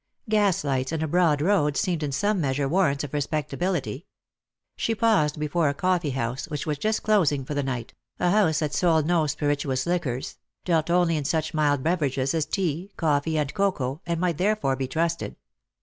Gaslights and a broad road seemed in some measure warrants of respectability. She paused before a coffee house which was just closing for the night — a house that sold no spirituous liquors — dealt only in such mild beverages as tea, coffee, and cocoa, and might therefore be trusted.